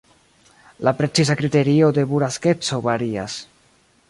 La preciza kriterio de buraskeco varias.